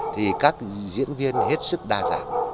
thì các diễn viên hết sức đa dạng